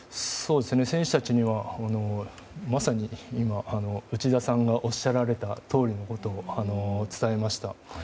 選手たちにはまさに今、内田さんがおっしゃられたとおりのことを伝えました。